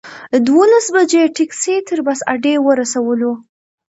دولس بجې ټکسي تر بس اډې ورسولو.